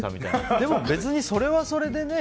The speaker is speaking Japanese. でも、別にそれはそれでね。